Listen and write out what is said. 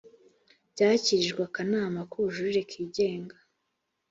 byakirijwe akanama k’ubujurire kigenga